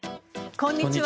こんにちは。